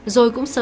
rồi cũng sẽ bị bắt